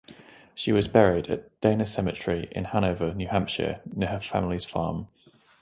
She was buried at Dana Cemetery in Hanover, New Hampshire near her family's farm.